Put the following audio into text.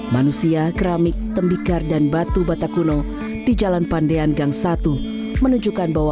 manusia keramik tembikar dan batu batak luluh